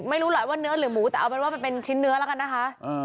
ไม่รู้หรอกว่าเนื้อหรือหมูแต่ว่าเป็นชิ้นเนื้อแล้วนะคะ